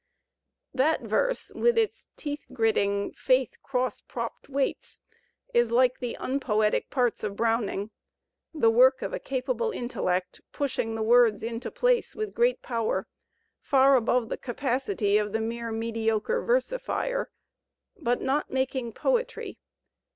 That verse, with its teeth gritting "Faith cross propt waits," is like the unpoetic parts of Browning, the work of a capable intellect, pushing the words into place with great power, far above the capacity of the mere mediocre versifier, but not making poetry.